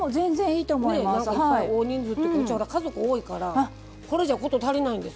いっぱい大人数っていうかうち家族多いからこれじゃ事足りないんです。